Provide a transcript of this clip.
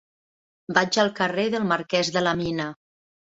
Vaig al carrer del Marquès de la Mina.